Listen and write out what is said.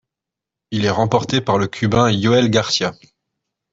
Il est remporté par le Cubain Yoel García.